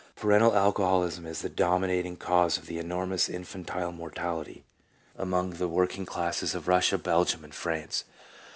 Parental alcoholism is the dominating cause of the enormous infantile mortality among the work MORALS. 213 ing classes of Russia, Belgium, and France.